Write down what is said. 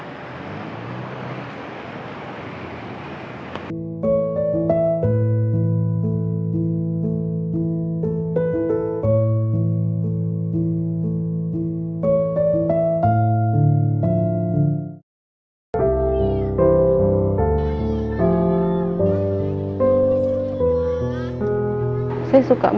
pariwisata yang diperbolehkan untuk jangkauan